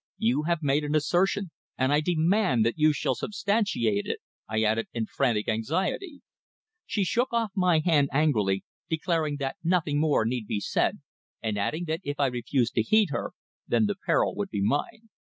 You have made an assertion, and I demand that you shall substantiate it," I added in frantic anxiety. She shook off my hand angrily, declaring that nothing more need be said, and adding that if I refused to heed her, then the peril would be mine.